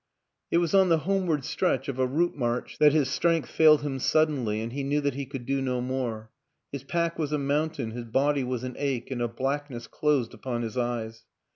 It was on the homeward stretch of a route march that his strength failed him suddenly and he knew that he could do no more ; his pack was a mountain, his body was an ache, and a blackness closed upon his eyes.